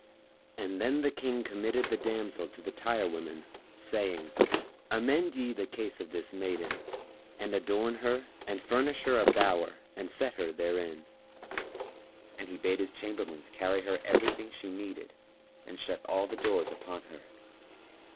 Then the King committed the damsel to the tire women, saying, "Amend ye the case of this maiden[FN#304] and adorn her and furnish her a bower and set her therein." And he bade his chamberlains carry her everything she needed and shut all the doors upon her.